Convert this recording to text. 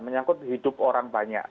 menyangkut hidup orang banyak